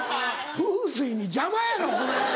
風水に邪魔やろこれ。